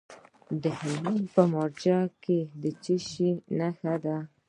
د هلمند په مارجه کې د څه شي نښې دي؟